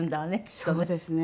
そうですね。